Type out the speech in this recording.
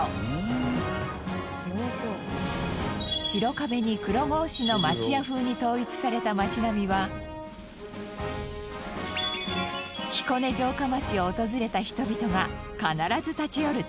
白壁に黒格子の町屋風に統一された町並みは彦根城下町を訪れた人々が必ず立ち寄る定番スポット。